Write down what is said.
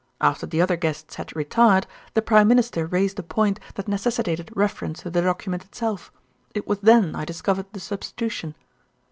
"After the other guests had retired, the Prime Minister raised a point that necessitated reference to the document itself. It was then I discovered the substitution."